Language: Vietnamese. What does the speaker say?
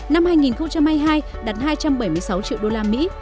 năm hai nghìn hai mươi hai đạt hai trăm bảy mươi sáu triệu đô la mỹ